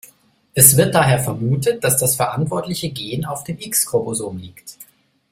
Es wird daher vermutet, dass das verantwortliche Gen auf dem X-Chromosom liegt.